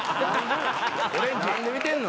何で見てんの？